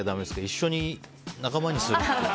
一緒に仲間にするっていうのは。